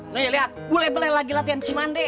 nih liat ule ule lagi latihan cimande